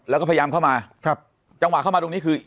เพราะฉะนั้นประชาธิปไตยเนี่ยคือการยอมรับความเห็นที่แตกต่าง